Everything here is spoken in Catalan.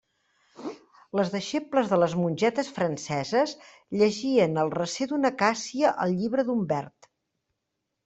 Les deixebles de les mongetes franceses llegien al recer d'una acàcia el llibre d'Umbert.